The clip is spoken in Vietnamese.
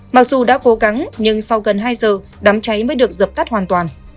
mặc dù đã cố gắng nhưng sau gần hai giờ đám cháy mới được dập tắt hoàn toàn